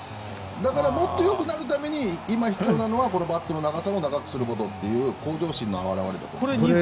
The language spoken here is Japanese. だから、もっとよくなるために今、必要なのはこのバットの長さを長くすることという向上心の表れだと思います。